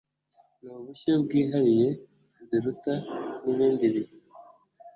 Ni ubushyo bwihariye Ziruta n' ibindi bihe